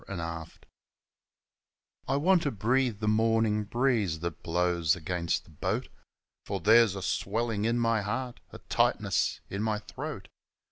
FOR'ARD 121 I want to breathe the mornin' breeze that blows against the boat, For there's a swellin' in my heart, a tightness in my throat.